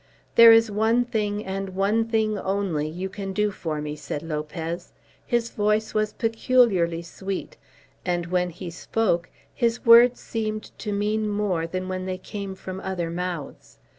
"There is one thing, and one thing only, you can do for me," said Lopez. His voice was peculiarly sweet, and when he spoke his words seemed to mean more than when they came from other mouths.